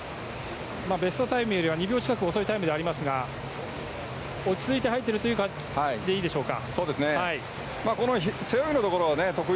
ベストタイムより２秒近く遅いタイムではありますが落ち着いて入っているということでいいでしょうか。